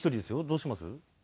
どうします？